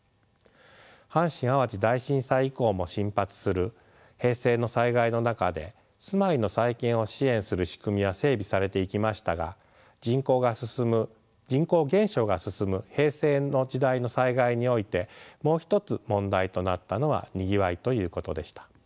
阪神・淡路大震災以降も頻発する平成の災害の中で住まいの再建を支援する仕組みは整備されていきましたが人口減少が進む平成の時代の災害においてもう一つ問題となったのはにぎわいということでした。